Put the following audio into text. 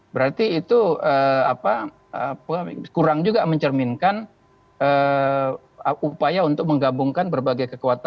berarti itu kurang juga mencerminkan upaya untuk menggabungkan berbagai kekuatan